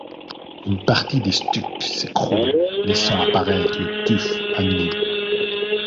Une partie des stucs s'écroule laissant apparaître le tuf à nu.